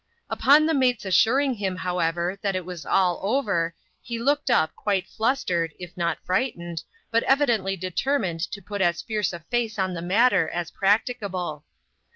Upon the mate's assuring him, however, that it was all oyer, he looked up, quite flustered, if not frightened, but evidently determined to put as fierce a face on the matter as practicable.